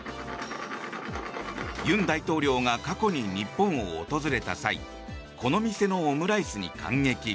尹大統領が過去に日本を訪れた際この店のオムライスに感激。